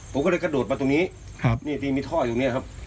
ผมก็เลยกระโดดมาตรงนี้ครับนี่ที่มีท่ออยู่เนี่ยครับ